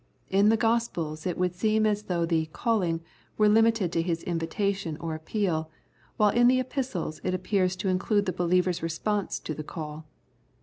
In the Gospels it would seem as though the " calling " were limited to His invitation or appeal, while in the Epistles it appears to include the believer's response to the call.